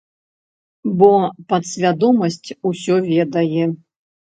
Бо падсвядомасць усё ведае.